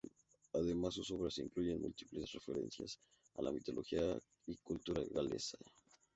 Además, sus obras incluyen múltiples referencias a la mitología y cultura galesa.